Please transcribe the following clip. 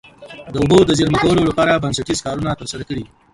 د اوبو د زیرمه کولو لپاره بنسټیز کارونه ترسره کړي.